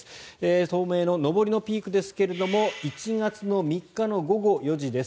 東名の上りのピークですが１月３日の午後４時です。